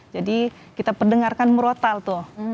jadi kita pendengarkan merotal tuh